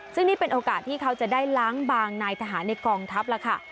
ซึ่งนี่เป็นโอกาสที่เขาจะได้ล้างบางนายทหารในกองทัพแล้วค่ะ